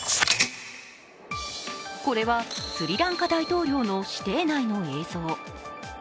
これはスリランカ大統領の私邸内の映像。